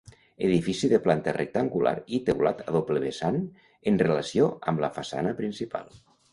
Edifici de planta rectangular i teulat a doble vessant en relació amb la façana principal.